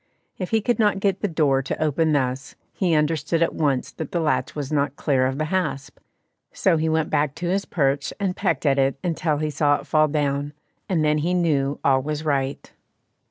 If he could not get the door to open thus, he understood at once that the latch was not clear of the hasp, so he went back to his perch and pecked at it until he saw it fall down, and then he knew all was right.